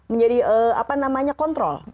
menjadi apa namanya kontrol